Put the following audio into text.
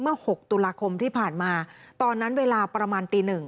๖ตุลาคมที่ผ่านมาตอนนั้นเวลาประมาณตีหนึ่ง